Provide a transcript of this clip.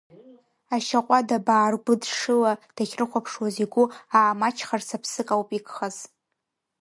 Ашьаҟәадабаа ргәыдшыла дахьрыхәаԥшуаз, игәы аамаҷхарц аԥсык ауп игхаз.